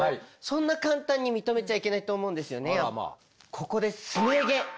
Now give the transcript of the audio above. ここです。